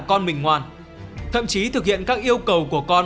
con mình ngoan thậm chí thực hiện các yêu cầu của con